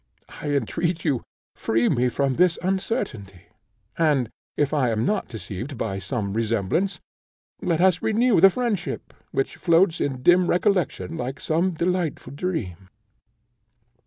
I entreat you, free me from this uncertainty; and, if I am not deceived by some resemblance, let us renew the friendship, which floats in dim recollection like some delightful dream."